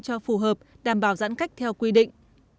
cho phù hợp đảm bảo giãn cách theo quy định